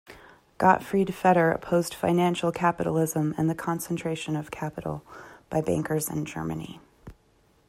Gottfried Feder opposed financial capitalism and the concentration of capital by bankers in Germany.